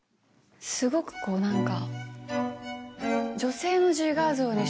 すごくこう何か。